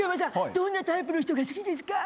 どんなタイプの人が好きですか？